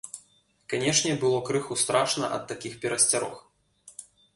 Канечне, было крыху страшна ад такіх перасцярог.